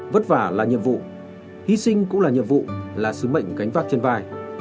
vất vả là nhiệm vụ hy sinh cũng là nhiệm vụ là sứ mệnh gánh vác trên vai